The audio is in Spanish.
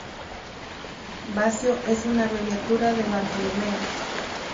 Baccio es una abreviatura de Bartolomeo.